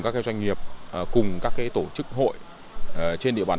các doanh nghiệp cùng các tổ chức hội trên địa bàn